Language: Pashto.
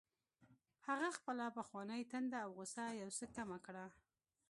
هغه خپله پخوانۍ تنده او غوسه یو څه کمه کړه